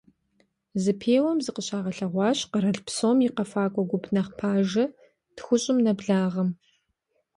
Зэпеуэм зыкъыщагъэлъэгъуащ къэрал псом и къэфакӀуэ гуп нэхъ пажэ тхущӀым нэблагъэм.